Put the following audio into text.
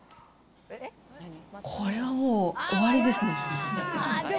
これはもう、終わりですね。